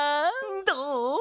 どう？